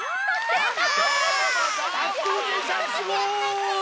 やった！